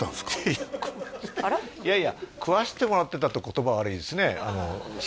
いや食わせていやいや食わせてもらってたって言葉悪いですね